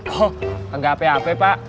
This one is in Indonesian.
oh enggak apa apa pak